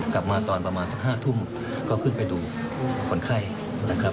กลับมาตอนประมาณสัก๕ทุ่มก็ขึ้นไปดูคนไข้นะครับ